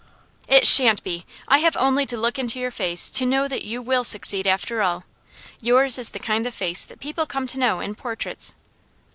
'It shan't be! I have only to look into your face to know that you will succeed after all. Yours is the kind of face that people come to know in portraits.